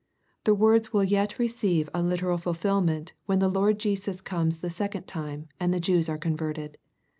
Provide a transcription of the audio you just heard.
The words will yet receive a literal fulfil ment, when the Lord Jesus comes the second time, and the Jews are converted.